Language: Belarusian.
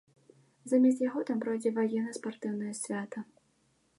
Замест яго там пройдзе ваенна-спартыўнае свята.